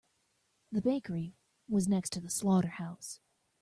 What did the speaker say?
The bakery was next to the slaughterhouse.